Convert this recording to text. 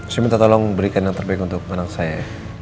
saya minta tolong berikan yang terbaik untuk anak saya